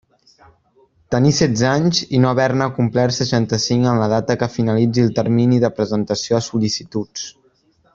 Tenir setze anys i no haver-ne complert seixanta-cinc en la data que finalitzi el termini de presentació de sol·licituds.